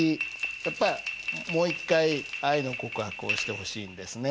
やっぱもう一回愛の告白をしてほしいんですね。